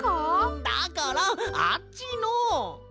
んだからあっちの。